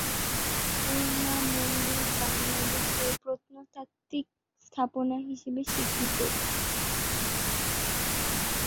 অন্নপূর্ণা মন্দির বাংলাদেশের প্রত্নতাত্ত্বিক স্থাপনা হিসেবে স্বীকৃত।